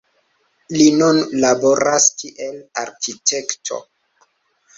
Li nun laboras kiel arkitekto.